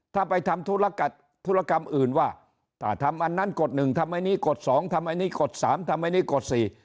ถ้าไปทำธุรธุรกรรมอื่นว่าถ้าทำอันนั้นกฎหนึ่งทำอันนี้กฎสองทำอันนี้กฎสามทำอันนี้กฎสี่